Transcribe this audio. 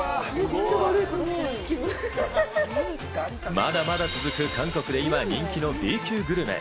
まだまだ続く韓国で今人気のＢ級グルメ。